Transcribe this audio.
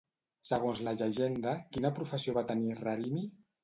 Segons la llegenda, quina professió va tenir Rarimi?